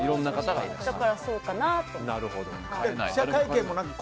だから、そうかなと思って。